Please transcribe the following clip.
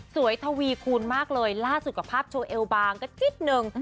ทวีคูณมากเลยล่าสุดกับภาพโชว์เอลบางก็นิดนึง